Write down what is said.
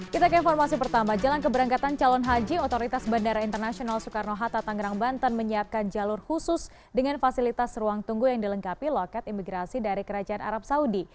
kita ke informasi pertama jalan keberangkatan calon haji otoritas bandara internasional soekarno hatta tangerang banten menyiapkan jalur khusus dengan fasilitas ruang tunggu yang dilengkapi loket imigrasi dari kerajaan arab saudi